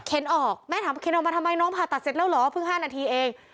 ออกแม่ถามว่าเข็นออกมาทำไมน้องผ่าตัดเสร็จแล้วเหรอเพิ่ง๕นาทีเอง